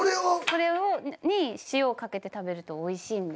これに塩をかけて食べるとおいしいんですよ。